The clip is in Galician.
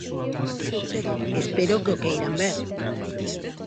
Espero que o queiran ver.